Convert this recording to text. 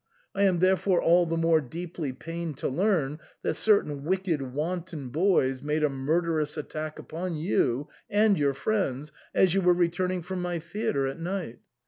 I am therefore all the more deeply pained to learn that certain wicked wanton boys made a murderous attack upon you and your friends as you were returning from my theatre at night.